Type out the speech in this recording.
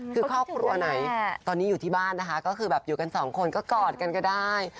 คือครอบครัวไหนตอนนี้อยู่ที่บ้านนะคะก็คือแบบอยู่กันสองคนก็กอดกันก็ได้